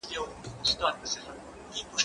زه بازار ته تللی دی!؟